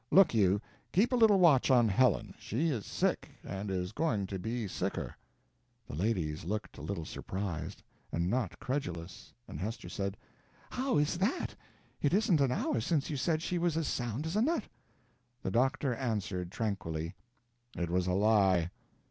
Look you! keep a little watch on Helen; she is sick, and is going to be sicker." The ladies looked a little surprised, and not credulous; and Hester said: "How is that? It isn't an hour since you said she was as sound as a nut." The doctor answered, tranquilly: "It was a lie."